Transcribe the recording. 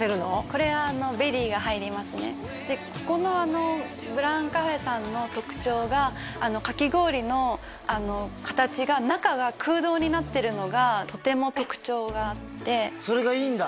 これはベリーが入りますねでここのブラウカフェさんの特徴がかき氷の形が中が空洞になってるのがとても特徴があってそれがいいんだ？